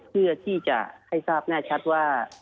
เพื่อที่จะให้ทราบแน่ชัดว่า